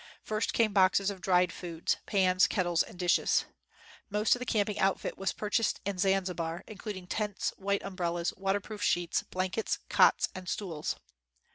First, came boxes of dried foods, pans, kettles, and dishes. Most of the camping outfit was purchased in Zanzibar, including tents, white umbrellas, waterproof sheets, blankets, cots, and stools.